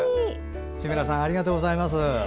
志村さん、ありがとうございます。